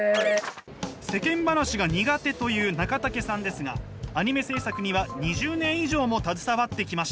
世間話が苦手という中武さんですがアニメ制作には２０年以上も携わってきました。